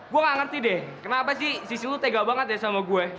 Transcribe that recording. gue gak ngerti deh kenapa sih sisi lu tega banget ya sama gue